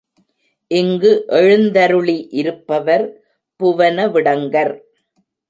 இங்கு எழுந்தருளி இருப்பவர் புவனவிடங்கர்.